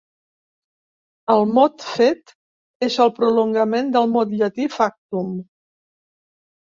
El mot "fet" és el prolongament del mot llatí "factum".